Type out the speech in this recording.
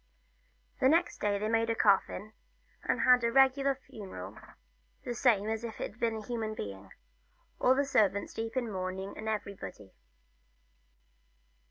Next day they made a coffin, and had a regular funeral, the same as if it were a human being ; all the servants in deep mourning, and everybody.